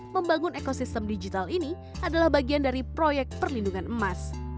membangun ekosistem digital ini adalah bagian dari proyek perlindungan emas